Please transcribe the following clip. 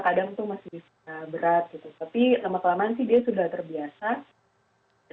kadang tuh masih berat gitu tapi lama kelamaan sih dia sudah terbiasa